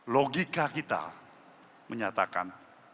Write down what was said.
logika kita menyatakan